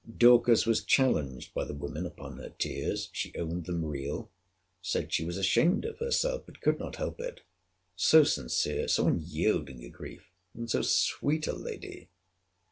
Dorcas was challenged by the women upon her tears. She owned them real. Said she was ashamed of herself: but could not help it. So sincere, so unyielding a grief, in so sweet a lady!